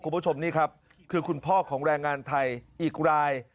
คุณผู้ชมนี่ครับคือคุณพ่อของแรงงานไทยอีกราย